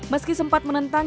meski sempat menentang